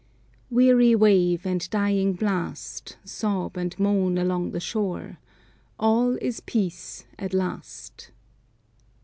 "Weary wave and dying blast Sob and moan along the shore, All is peace at last."